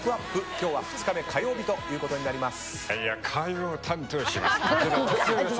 今日は２日目火曜日ということになります。